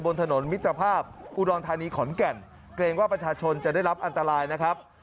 บนถนนมิตรภาพอุดรธานีขอนแก่นเกรงว่าประชาชนจะได้รับอันตรายนะครับ